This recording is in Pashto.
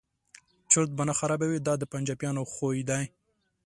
چرت به نه خرابوي دا د پنجابیانو خوی دی.